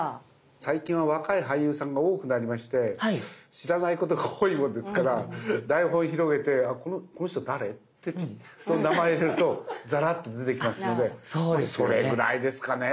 最近は若い俳優さんが多くなりまして知らないことが多いもんですから台本を広げてこの人誰？って名前を入れるとザラっと出てきますのでそれぐらいですかね